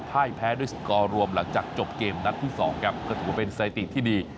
ให้แพ้ด้วยสกอร์รวมหลังจากจบเกมนัดที่๒ครับก็ถือว่าเป็นสถิติที่ดี